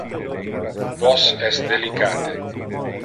Vos es delicate.